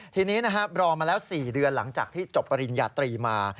ทีนี้นะครับรอมาแล้ว๔เดือนหลังจากที่จบปริญญาตรีมา